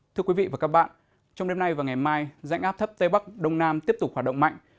thưa quý vị và các bạn trong đêm nay và ngày mai rãnh áp thấp tây bắc đông nam tiếp tục hoạt động mạnh